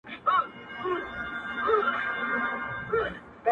د لنډیو ږغ به پورته د باغوان سي!!